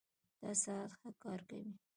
دا ساعت ښه کار کوي